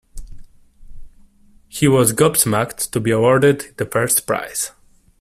He was gobsmacked to be awarded the first prize.